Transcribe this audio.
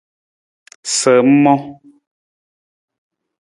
Sa ng mang?